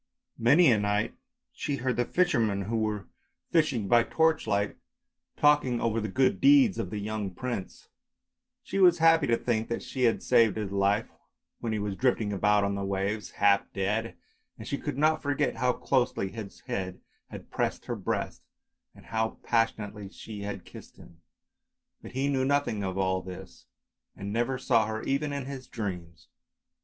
Many a night she heard the fishermen, who were fishing by io ANDERSEN'S FAIRY TALES torchlight, talking over the good deeds of the young prince; and she was happy to think that she had saved his life when he was drifting about on the waves, half dead, and she could not forget how closely his head had pressed her breast, and how passionately she had kissed him ; but he knew nothing of all this, and never saw her even in his dreams.